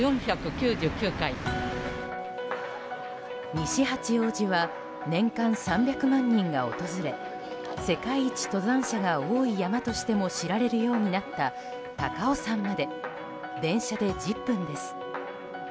西八王子は年間３００万人が訪れ世界一登山者が多い山としても知られるようになった高尾山まで電車で１０分です。